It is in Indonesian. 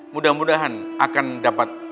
mudah mudahan akan dapat